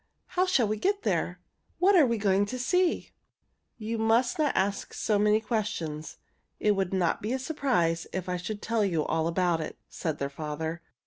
"How shall we get there? What are we going to see?" "You must not ask so many questions. It would not be a surprise if I should tell you all about it," said their father.